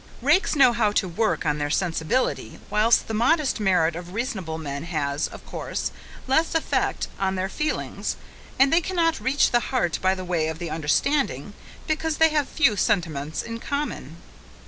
Rakes know how to work on their sensibility, whilst the modest merit of reasonable men has, of course, less effect on their feelings, and they cannot reach the heart by the way of the understanding, because they have few sentiments in common.